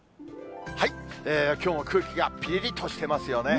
きょうも空気がぴりりとしてますよね。